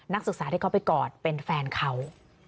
นักศึกษาที่เขาไปกอดเป็นแฟนเขา